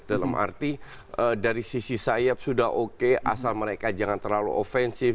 dalam arti dari sisi sayap sudah oke asal mereka jangan terlalu offensif